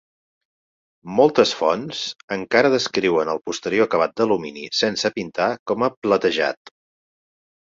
Moltes fonts encara descriuen el posterior acabat d'alumini sense pintar com a "platejat".